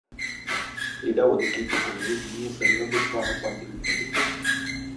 இட ஒதுக்கீட்டுக் கொள்கை இனிய செல்வ, புஸ்வானம் வந்துவிட்டது!